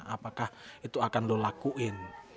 apakah itu akan lo lakuin